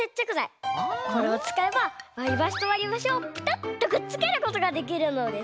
これをつかえばわりばしとわりばしをピタッとくっつけることができるのです。